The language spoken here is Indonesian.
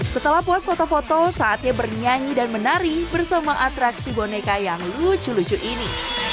setelah puas foto foto saatnya bernyanyi dan menari bersama atraksi boneka yang lucu lucu ini